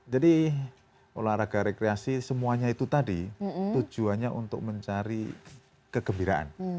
jadi olahraga rekreasi semuanya itu tadi tujuannya untuk mencari kegembiraan